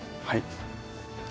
はい。